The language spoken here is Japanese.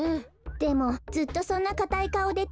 でもずっとそんなかたいかおでたえられるかしら？